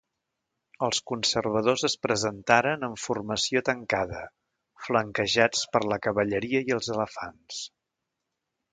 Els conservadors es presentaren en formació tancada, flanquejats per la cavalleria i els elefants.